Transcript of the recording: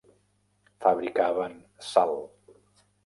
Fabricaven sal.